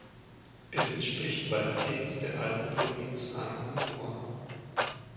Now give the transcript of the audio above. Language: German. Es entspricht weitgehend der alten Provinz Angoumois.